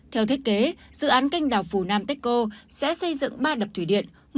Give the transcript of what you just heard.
theo thiết kế dự án canh đào phunanteco sẽ xây dựng ba đập thủy điện